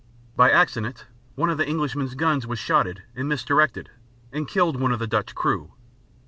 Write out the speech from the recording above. By accident, one of the Englishman's guns was shotted and misdirected, and killed one of the Dutch crew.